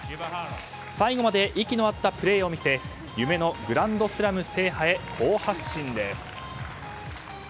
最後まで息の合ったプレーを見せ夢のグランドスラム制覇へ好発進です。